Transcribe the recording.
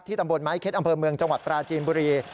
ตำบลไม้เค็ดอำเภอเมืองจังหวัดปราจีนบุรี